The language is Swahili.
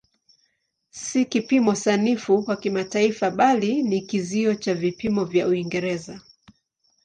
Si kipimo sanifu cha kimataifa bali ni kizio cha vipimo vya Uingereza.